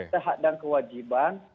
tehat dan kewajiban